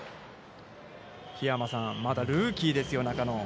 桧山さん、まだルーキーですよ、中野。